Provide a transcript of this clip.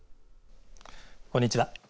こんにちは。